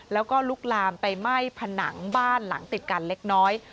แล้วก็ลุกลามไปไหม้ผนังบ้านหลังติดกันเล็กน้อย